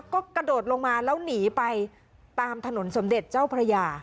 ก็กระโดดลงมาแล้วหนีไปตามถนนสมเด็จเจ้าพระยา